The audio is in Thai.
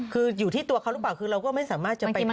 คืออยู่ที่ตัวเขาหรือเปล่าคือเราก็ไม่สามารถจะไปได้